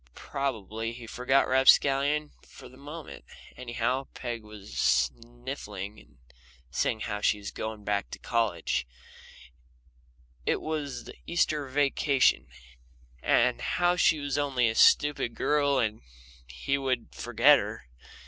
Probably he forgot Rapscallion for the moment. Anyhow, Peg was sniffling and saying how she was going back to college it was the Easter vacation and how she was only a stupid girl and he would forget her.